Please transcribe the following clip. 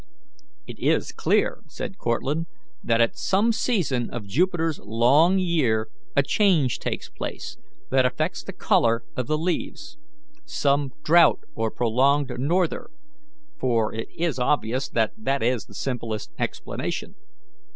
"It is clear," said Cortlandt, "that at some season of Jupiter's long year a change takes place that affects the colour of the leaves some drought or prolonged norther; for it is obvious that that is the simplest explanation.